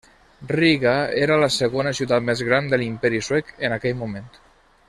Riga era la segona ciutat més gran de l'Imperi suec en aquell moment.